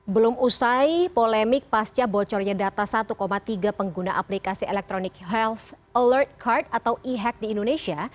belum usai polemik pasca bocornya data satu tiga pengguna aplikasi electronic health alert card atau e hack di indonesia